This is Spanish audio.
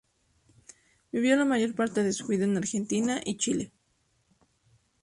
Vivió la mayor parte de su vida en Argentina y Chile.